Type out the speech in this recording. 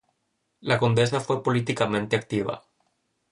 La condesa fue políticamente activa.